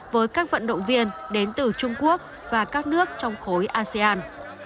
với các vận động viên đến từ trung quốc và các nước trong khối asean